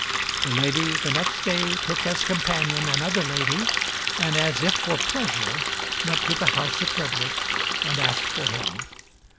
The lady the next day took as companion another lady, and as if for pleasure went to the house of Frederick and asked for him.